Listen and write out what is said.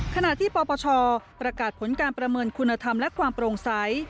ขณะที่ปปชประกาศผลการประเมินคุณธรรมและความโปร่งใส